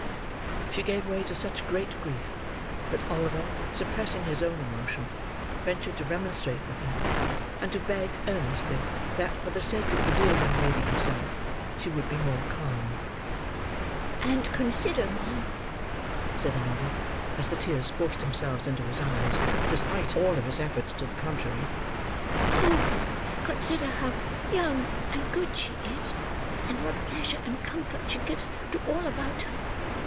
She gave way to such great grief, that Oliver, suppressing his own emotion, ventured to remonstrate with her; and to beg, earnestly, that, for the sake of the dear young lady herself, she would be more calm. "And consider, ma'am," said Oliver, as the tears forced themselves into his eyes, despite of his efforts to the contrary. "Oh! consider how young and good she is, and what pleasure and comfort she gives to all about her.